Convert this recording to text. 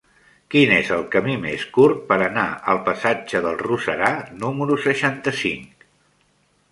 Quin és el camí més curt per anar al passatge del Roserar número seixanta-cinc?